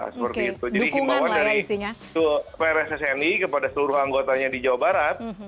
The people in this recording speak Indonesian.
jadi himbawan dari prssni kepada seluruh anggotanya di jawa barat